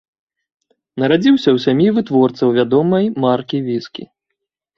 Нарадзіўся ў сям'і вытворцаў вядомай маркі віскі.